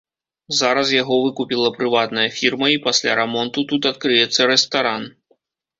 Зараз яго выкупіла прыватная фірма, і пасля рамонту тут адкрыецца рэстаран.